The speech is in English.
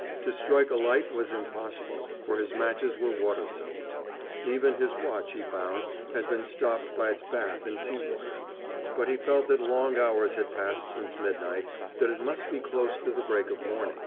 To strike a light was impossible, for his matches were water soaked. Even his watch, he found, had been stopped by its bath in sea water. But he felt that long hours had passed since midnight, that it must be close to the break of morning.